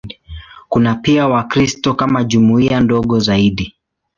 Kuna pia Wakristo kama jumuiya ndogo zaidi.